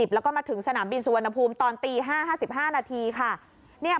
แล้วก็มาถึงสนามบินสุวรรณภูมิตอนตี๕๕นาทีค่ะ